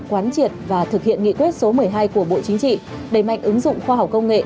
quán triệt và thực hiện nghị quyết số một mươi hai của bộ chính trị đẩy mạnh ứng dụng khoa học công nghệ